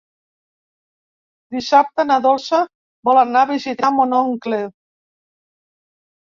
Dissabte na Dolça vol anar a visitar mon oncle.